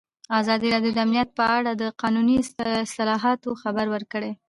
ازادي راډیو د امنیت په اړه د قانوني اصلاحاتو خبر ورکړی.